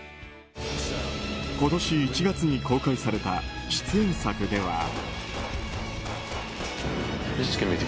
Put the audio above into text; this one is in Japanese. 今年、１月に公開された出演作では。